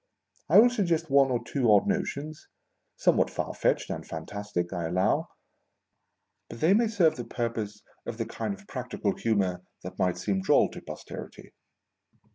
I will suggest one or two odd notions — some what far fetched and fantastic, I allow, but they may serve the purpose — of the kind of practical humour that might seem droll to Posterity.